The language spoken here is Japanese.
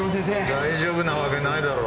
大丈夫なわけないだろう。